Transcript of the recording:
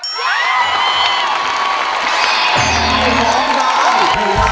ร้องได้